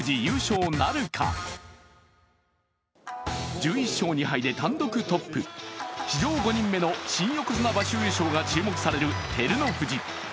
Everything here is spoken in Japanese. １１勝２敗で単独トップ、史上５人目の新横綱場所優勝が期待される照ノ富士。